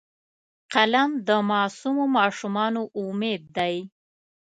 قلم د معصومو ماشومانو امید دی